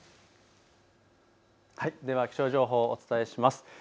では気象情報をお伝えします。